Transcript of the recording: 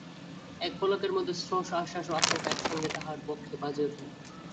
এক পলকের মধ্যে সহস্র আশ্বাস ও আশঙ্কা একসঙ্গে তাহার বক্ষে বাজিয়া উঠিল।